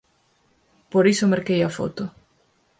Por iso merquei a foto.